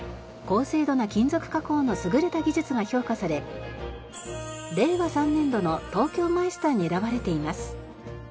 高精度な金属加工の優れた技術が評価され令和３年度の東京マイスターに選ばれています。